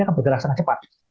akan bergerak sangat cepat